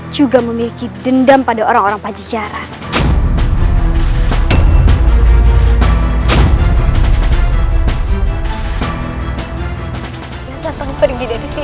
juga memiliki dendam pada orang orang pajajaran